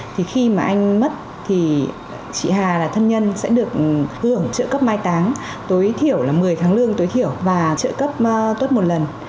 thì khi mà anh mất thì chị hà là thân nhân sẽ được hưởng trợ cấp mai táng tối thiểu là một mươi tháng lương tối thiểu và trợ cấp tốt một lần